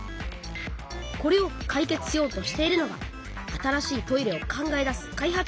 これをかい決しようとしているのが新しいトイレを考え出す開発